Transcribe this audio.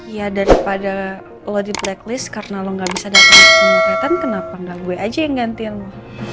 ya daripada lo di blacklist karena lo nggak bisa datang ke pemotretan kenapa enggak gue aja yang gantiin lo